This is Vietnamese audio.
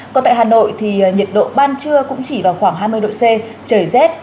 còn tại hà nội thì nhiệt độ ban trưa cũng chỉ vào khoảng hai mươi độ c trời rét